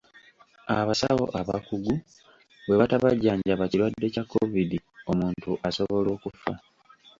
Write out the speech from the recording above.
Abasawo abakugu bwe batabajjanjaba kirwadde kya Kovidi omuntu asobola okufa.